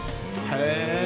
へえ。